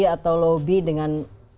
atau lobby dengan